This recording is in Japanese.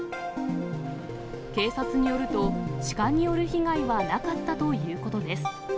警察によるとシカによる被害はなかったということです。